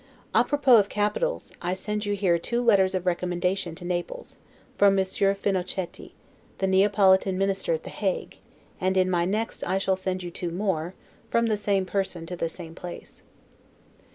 'A propos' of capitals, I send you here two letters of recommendation to Naples, from Monsieur Finochetti, the Neapolitan Minister at The Hague; and in my next I shall send you two more, from the same person, to the same place.